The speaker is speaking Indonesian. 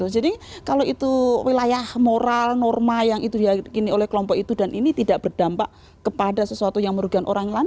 jadi kalau itu wilayah moral norma yang itu diyakini oleh kelompok itu dan ini tidak berdampak kepada sesuatu yang merugikan orang lain